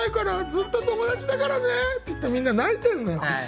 ずっと友達だからね！」って言ってみんな泣いてんのよ。